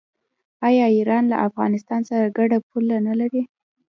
آیا ایران له افغانستان سره ګډه پوله نلري؟